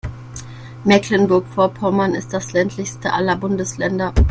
Mecklenburg-Vorpommern ist das ländlichste aller Bundesländer.